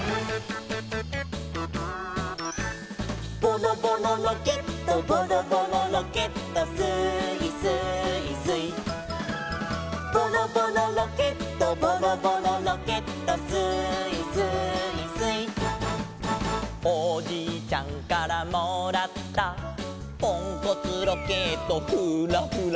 「ボロボロロケットボロボロロケット」「スーイスーイスイ」「ボロボロロケットボロボロロケット」「スーイスーイスイ」「おじいちゃんからもらった」「ポンコツロケットフーラフラ」